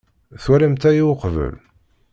Twalamt aya uqbel?